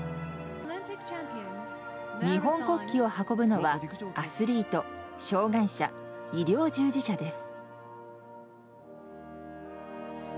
日本国旗を運ぶのはアスリート、障害者医療従事者です。